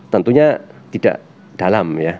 tentunya tidak dalam ya